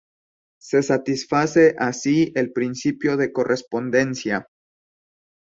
Se satisface así el principio de correspondencia.